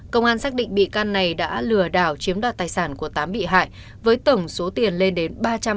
công an xác định bị can này đã lừa đảo chiếm đoạt tài sản của tám bị hại với tổng số tiền lên đến